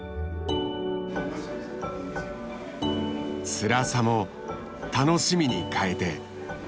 つらさも楽しみに変えて。